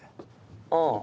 ああ。